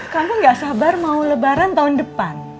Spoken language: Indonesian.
kamu gak sabar mau lebaran tahun depan